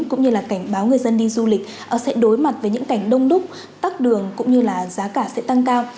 cũng như là cảnh báo người dân đi du lịch sẽ đối mặt với những cảnh đông đúc tắt đường cũng như là giá cả sẽ tăng cao